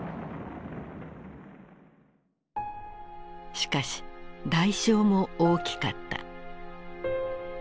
しかし代償も大きかった。